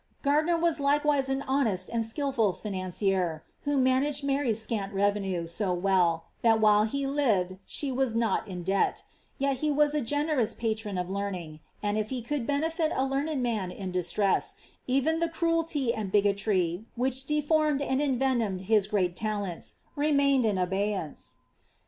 Gardiner was likewise an hone:»t and skilful financier, who managed Mary's scant revenue so well, that while he lived she was not in debt ; yet he was a generous patron of learning, and if he could benefit a learned man in distress, even the cruelty and bigotry, which deformed and envenomed his great talents, remained in abeyance.